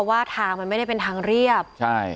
มันไม่ได้เป็นทางเรียบ